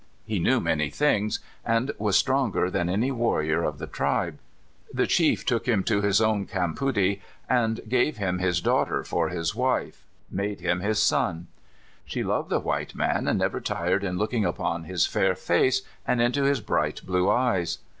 He knew many things, and was stronger than any warrior of the tril)e. Tlie chief took him to his own cam The Blue Lakes, 131 poody, and giving him liis daughter for his wife, made him his son. She loved the wliite man, and never tired in looking upon his fair face, and into his bright blue eyes.